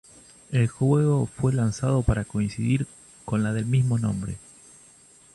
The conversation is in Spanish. El juego fue lanzado para coincidir con la del mismo nombre.